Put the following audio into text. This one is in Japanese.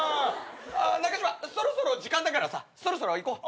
中嶋そろそろ時間だからさそろそろ行こう。